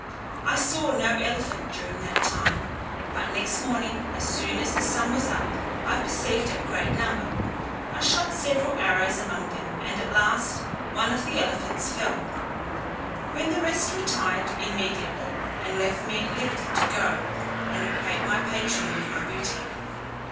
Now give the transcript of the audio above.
I saw no elephant during that time, but next morning, as soon as the sun was up, I perceived a great number. I shot several arrows among them, and at last one of the elephants fell, when the rest retired immediately, and left me at liberty to go and acquaint my patron with my booty.